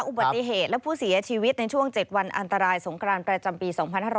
อุบัติเหตุและผู้เสียชีวิตในช่วง๗วันอันตรายสงครานประจำปี๒๕๖๐